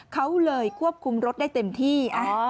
เขาเลยควบคุมรถได้เต็มที่